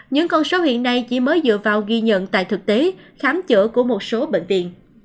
những con số hiện nay chỉ mới dựa vào ghi nhận tại thực tế khám chữa của một số bệnh viện